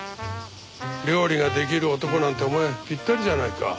料理ができる男なんてお前ぴったりじゃないか。